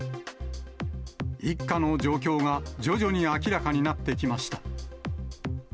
一家の状況が徐々に明らかになってきました。